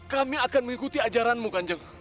kami akan mengikuti ajaranmu kanjeng